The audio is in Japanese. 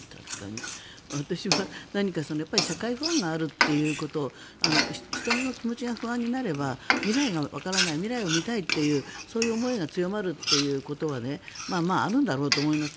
私は社会不安があるということ人も気持ちが不安になれば未来がわからない未来を見たいというそういう思いが強まるということはまああるんだろうなと思います。